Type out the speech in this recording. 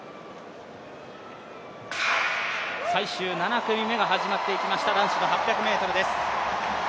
最終７組目が始まっていきました男子の８００ｍです。